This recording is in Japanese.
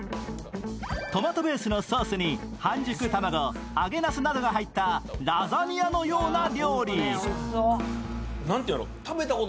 トマトベースのソースに半熟卵、揚げなすなどが入ったラザニアのような料理。